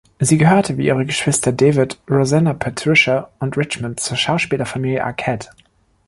Sie gehörte wie ihre Geschwister David, Rosanna, Patricia und Richmond zur Schauspielerfamilie Arquette.